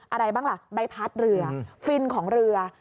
อะไรบ้างล่ะใบพัดเรือฟินของเรือ